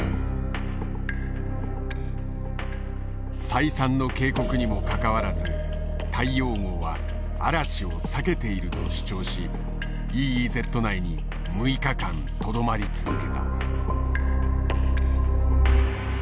再三の警告にもかかわらず大洋号は嵐を避けていると主張しＥＥＺ内に６日間とどまり続けた。